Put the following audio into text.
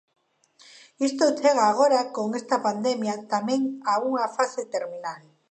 Isto chega agora con esta pandemia tamén a unha fase terminal.